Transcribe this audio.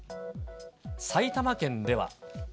埼玉県では。